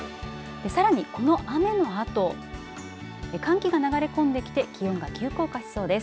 さらにこの雨のあと寒気が流れ込んできて気温が急降下しそうです。